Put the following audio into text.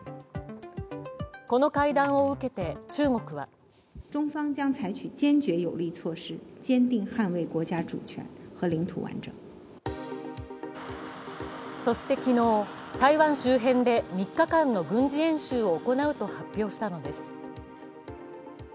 この会談を受けて中国はそして昨日、台湾周辺で３日間の軍事演習を行うと発表したのです。